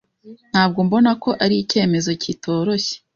Ntabwo mbona ko ari icyemezo kitoroshye.